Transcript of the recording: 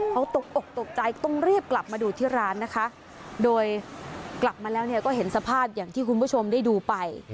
เขาตกอกตกใจต้องรีบกลับมาดูที่ร้านนะคะโดยกลับมาแล้วเนี่ยก็เห็นสภาพอย่างที่คุณผู้ชมได้ดูไป